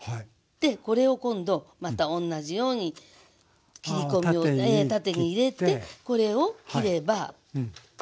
これを今度また同じように切り込みを縦に入れてこれを切れば。